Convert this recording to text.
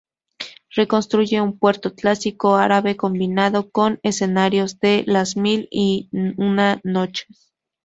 Reconstruye un puerto clásico árabe, combinando con escenarios de "Las mil y una noches".